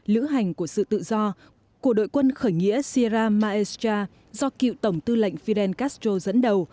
lữ hành của sự tự do của đội quân khởi nghĩa sira maestra do cựu tổng tư lệnh fidel castro dẫn đầu